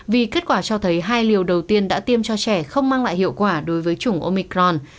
vì kết quả cho thấy hai liều đầu tiên đã tiêm cho trẻ không mang lại hiệu quả đối với chủng omicron